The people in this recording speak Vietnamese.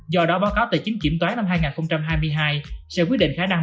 do đó báo cáo tài chính kiểm toán năm hai nghìn hai mươi hai sẽ quyết định khả năng